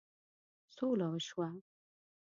سوله وشوه.